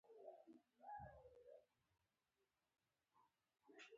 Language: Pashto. الوتکه د سفر نوی طرز دی.